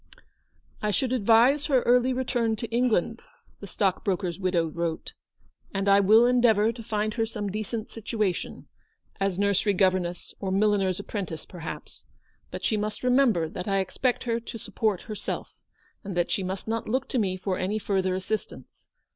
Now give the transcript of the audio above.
" I should advise her early return to England," the stockbroker's widow wrote, " and I will endeavour to find her some decent situation — as nursery governess or milliner's apprentice, per haps — but she must remember that I expect her to support herself, and that she must not look to me for any further assistance.